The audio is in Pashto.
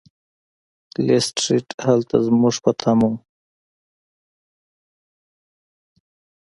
لیسټرډ هلته زموږ په تمه و.